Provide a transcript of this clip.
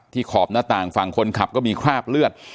ขอบหน้าต่างฝั่งคนขับก็มีคราบเลือด